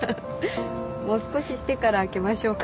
もう少ししてから開けましょうか。